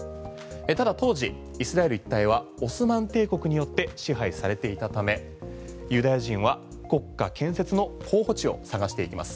ただ当時イスラエル一帯はオスマン帝国によって支配されていたためユダヤ人は国家建設の候補地を探していきます。